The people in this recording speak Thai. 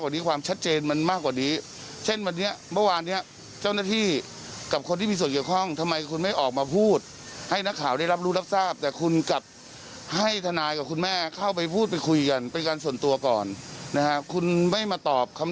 ส่วนเมื่อช่วงเย็นนะครับทุกผู้ชมครับ๑๗นาฬิกาครับ